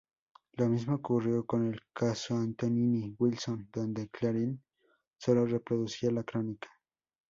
Lo mismo ocurrió con el caso Antonini Wilson donde Clarín solo reproducía la crónica.